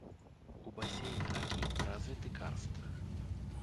У басейн ракі развіты карст.